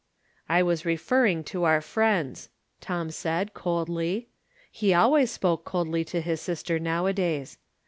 " I was referring to our friends," Tom said, coldly. He always spoke coldly to his sister nowadays.